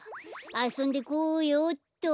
あそんでこようっと。